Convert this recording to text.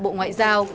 bộ ngoại giao